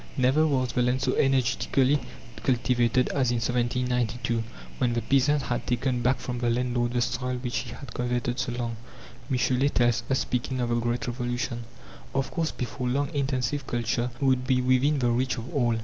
"Never was the land so energetically cultivated as in 1792, when the peasant had taken back from the landlord the soil which he had coveted so long," Michelet tells us speaking of the Great Revolution. Of course, before long, intensive culture would be within the reach of all.